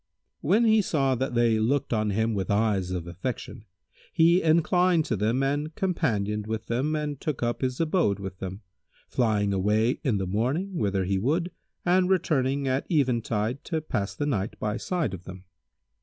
When he saw that they looked on him with eyes of affection, he inclined to them and companioned with them and took up his abode with them, flying away in the morning whither he would and returning at eventide to pass the night by side of them.